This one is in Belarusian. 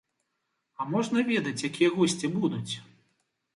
А можна ведаць, якія госці будуць?